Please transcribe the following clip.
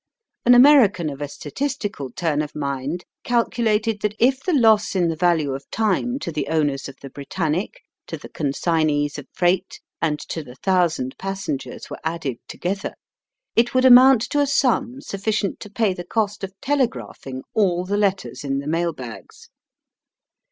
An American of a statistical turn of mind calculated that if the loss in the value of time to the owners of the Britannic^ to the consignees of freight, and to the thou sand passengers were added together, it would amount to a sum sufficient to pay the cost of telegraphing all the letters in the mail bags.